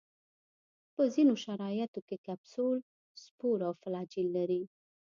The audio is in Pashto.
په ځینو شرایطو کې کپسول، سپور او فلاجیل لري.